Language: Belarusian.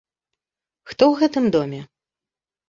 Хто ў гэтым доме?